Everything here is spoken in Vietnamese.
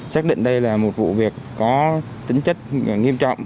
xác định đây là một vụ việc có tính chất nghiêm trọng